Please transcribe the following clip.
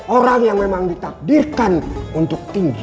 orang yang memang ditakdirkan untuk tinggi